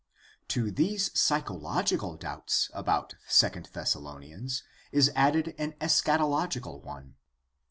To these psycho logical doubts about II Thessalonians is added an eschato logical one.